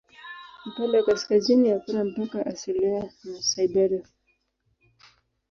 Upande wa kaskazini hakuna mpaka asilia na Siberia.